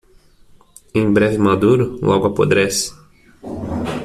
Em breve maduro? logo apodrece